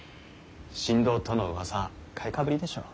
神童とのうわさ買いかぶりでしょう。